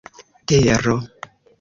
tero